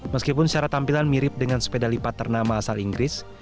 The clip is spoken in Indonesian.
meskipun secara tampilan mirip dengan sepeda lipat ternama asal inggris